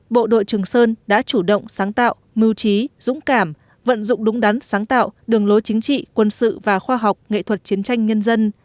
bộ đội trường sơn đã chủ động sáng tạo mưu trí dũng cảm vận dụng đúng đắn sáng tạo đường lối chính trị quân sự và khoa học nghệ thuật chiến tranh nhân dân